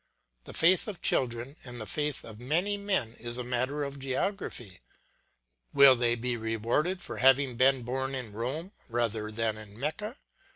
The faith of children and the faith of many men is a matter of geography. Will they be rewarded for having been born in Rome rather than in Mecca?